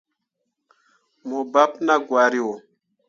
Mo baɓɓe naa gwari wo.